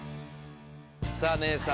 さぁ姉さん